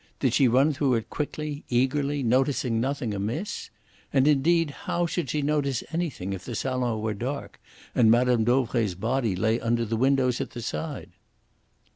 Did she run through it quickly, eagerly, noticing nothing amiss? And, indeed, how should she notice anything if the salon were dark, and Mme. Dauvray's body lay under the windows at the side?"